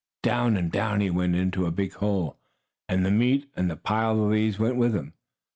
Down and down he went, into a big hole, and the meat and the pile of leaves went with him.